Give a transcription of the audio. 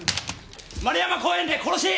円山公園で殺し！